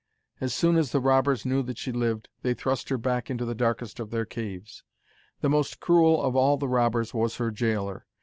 As soon as the robbers knew that she lived, they thrust her back into the darkest of their caves. The most cruel of all the robbers was her gaoler.